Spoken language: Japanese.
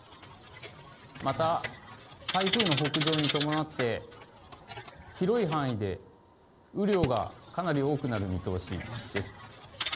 また、台風の北上に伴って、広い範囲で雨量がかなり多くなる見通しです。